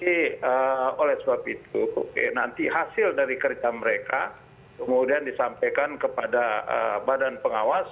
jadi oleh sebab itu nanti hasil dari kereta mereka kemudian disampaikan kepada badan pengawas